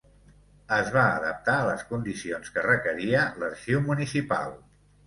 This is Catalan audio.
Es va adaptar a les condicions que requeria l'Arxiu Municipal.